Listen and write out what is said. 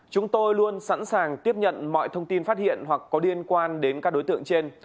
chúng tôi luôn sẵn sàng tiếp nhận mọi thông tin phát hiện hoặc có liên quan đến các đối tượng trên